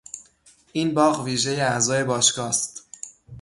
این باغ ویژهی اعضای باشگاه است.